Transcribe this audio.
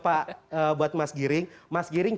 pak buat mas giring mas giring